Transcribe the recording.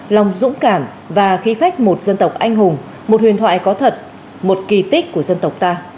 lòng dũng cảm và khí phách một dân tộc anh hùng một huyền thoại có thật một kỳ tích của dân tộc ta